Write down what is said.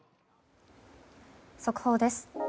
速報です。